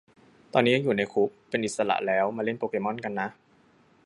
ตอนนี้ยังอยู่ในคุก เป็นอิสระแล้วมาเล่นโปเกมอนกันนะ